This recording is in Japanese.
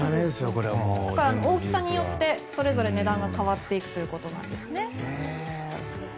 大きさによってそれぞれ値段が変わっていくということなんですね。